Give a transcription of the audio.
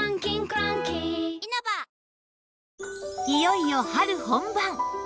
いよいよ春本番